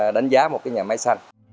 đánh giá một cái nhà máy xanh